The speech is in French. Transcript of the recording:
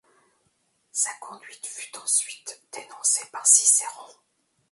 Sa conduite fut ensuite dénoncée par Cicéron.